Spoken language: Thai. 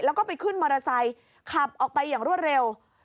แล้วก็ไปขึ้นมอเตอร์ไซค์ขับออกไปอย่างรวดเร็ว